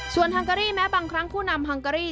ส่วนฮังการีแม้บางครั้งผู้นำฮังการี